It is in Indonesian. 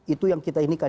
itu yang kita inikan